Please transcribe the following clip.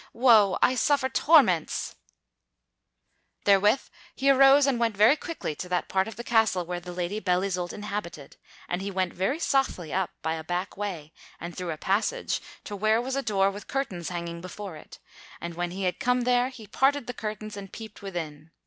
Woe! I suffer torments!" [Sidenote: King Mark spies upon Sir Tristram and Isoult] Therewith he arose and went very quickly to that part of the castle where the Lady Belle Isoult inhabited; and he went very softly up by a back way and through a passage to where was a door with curtains hanging before it; and when he had come there he parted the curtains and peeped within.